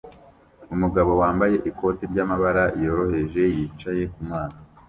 Umugabo wambaye ikoti ryamabara yoroheje yicaye kumazi